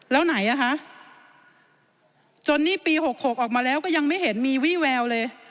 แล้วไหนอ่ะคะจนนี่ปี๖๖ออกมาแล้วก็ยังไม่เห็นมีวี่แววเลย